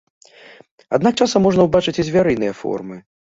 Аднак часам можна ўбачыць і звярыныя формы.